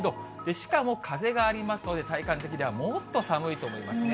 しかも風がありますので、体感的にはもっと寒いと思いますね。